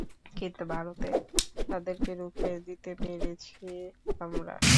কিন্তু ভারতে তাদেরকে রুখে দিতে পেরেছি আমরা।